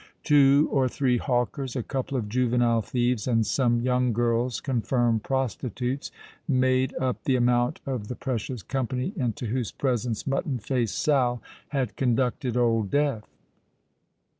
Two or three hawkers—a couple of juvenile thieves—and some young girls, confirmed prostitutes, made up the amount of the precious company into whose presence Mutton Face Sal had conducted Old Death.